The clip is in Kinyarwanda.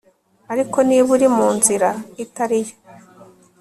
ariko niba uri munzira itari yo